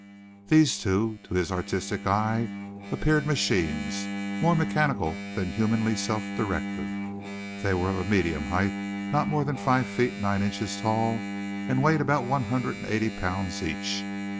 These two, to his artistic eye, appeared machines, more mechanical than humanly self directive. They were of medium height, not more than five feet, nine inches tall and weighed about one hundred and eighty pounds each.